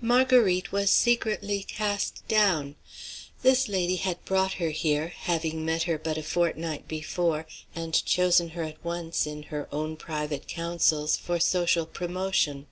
Marguerite was secretly cast down. This lady had brought her here, having met her but a fortnight before and chosen her at once, in her own private counsels, for social promotion.